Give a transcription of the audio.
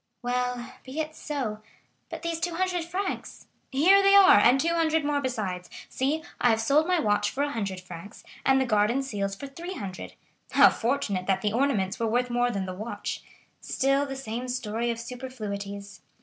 "Well, be it so. But these 200 francs?" "Here they are, and 200 more besides. See, I have sold my watch for 100 francs, and the guard and seals for 300. How fortunate that the ornaments were worth more than the watch. Still the same story of superfluities!